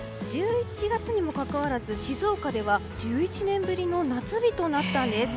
１１月にもかかわらず静岡では１１年ぶりの夏日となったんです。